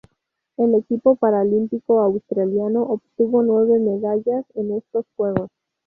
El equipo paralímpico australiano obtuvo nueve medallas en estos Juegos.